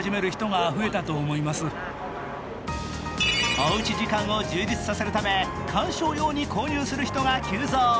おうち時間を充実させるため観賞用に購入する人が急増。